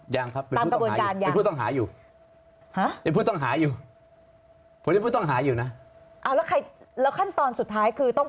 ยังครับเป็นพู่ต่องหาอยู่